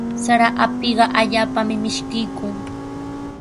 Sara apiqa allaapami mishkiykun.